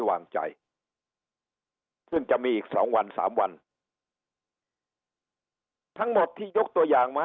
วางใจซึ่งจะมีอีกสองวันสามวันทั้งหมดที่ยกตัวอย่างมา